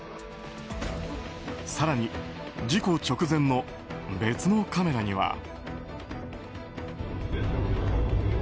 更に、事故直前の別のカメラには。